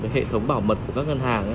hệ thống bảo mật của các ngân hàng